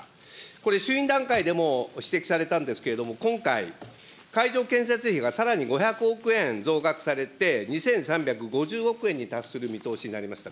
これ、団体にも指摘されたんですけれども、今回、会場建設費がさらに５００億円増額されて、２３５０億円に達する見通しになりました。